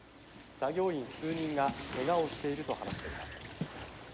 作業員数人がケガをしていると話しています」。